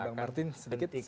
gimana pak martin sedikit